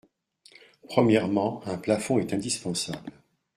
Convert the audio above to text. Premièrement, un plafond est indispensable.